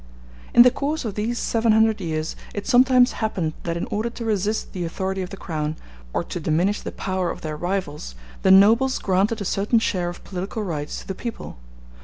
In the course of these seven hundred years it sometimes happened that in order to resist the authority of the Crown, or to diminish the power of their rivals, the nobles granted a certain share of political rights to the people.